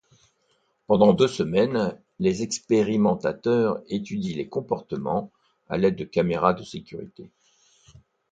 Pendant deux semaines, les expérimentateurs étudient les comportements à l'aide de caméras de sécurité.